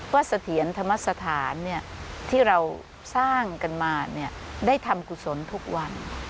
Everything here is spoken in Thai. เพราะเสถียรธรรมสถานเนี่ยที่เราสร้างกันมาเนี่ยได้ทำกุศลทุกวัน